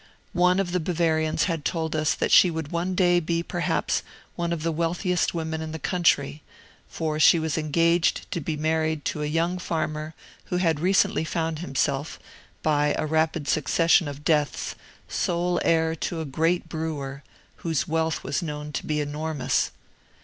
One of the Bavarians had told us that she would one day be perhaps one of the wealthiest women in the country, for she was engaged to be married to a young farmer who had recently found himself, by a rapid succession of deaths, sole heir to a great brewer, whose wealth was known to be enormous.